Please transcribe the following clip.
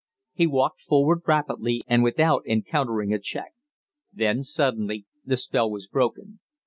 He walked forward rapidly and without encountering a check. Then, suddenly, the spell was broken.